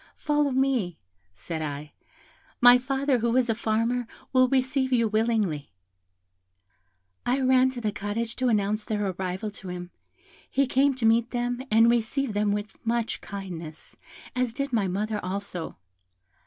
'Follow me,' said I; 'my father, who is a farmer, will receive you willingly.' I ran to the cottage to announce their arrival to him; he came to meet them, and received them with much kindness, as did my mother also.